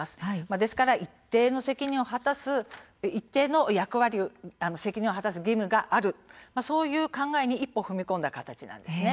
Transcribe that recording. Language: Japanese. ですので一定の責任も果たす義務はあるそういった考えに一歩踏み込んだ形なんです。